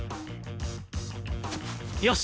よし！